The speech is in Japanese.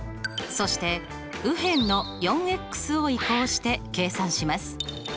そして右辺の４を移項して計算します。